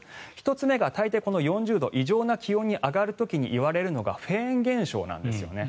１つ目が大抵、この４０度異常な気温に上がる時にいわれるのがフェーン現象なんですよね。